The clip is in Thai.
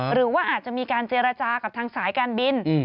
หรือว่าอาจจะมีการเจรจากับทางสายการบิน